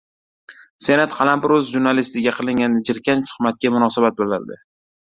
Senat "Qalampir.uz" jurnalistiga qilingan jirkanch tuhmatga munosabat bildirdi